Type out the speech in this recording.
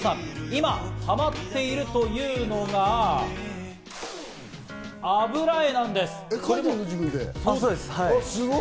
今、ハマっているというのが油絵なんです。